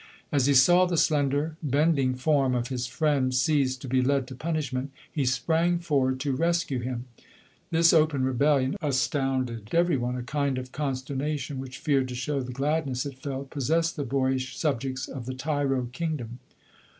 As he saw the slender, bending form of his friend seized to be led to punishment, he sprang forward to rescue him. This open rebel lion astounded every one ; a kind of consterna tion, which feared to show the gladness it felt, possessed the boyish subjects of the tyro king dom.